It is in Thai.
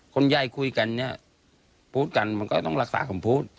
คนใหญ่คุยกันเนี่ยพูดกันมันก็ต้องรักษาคำพูด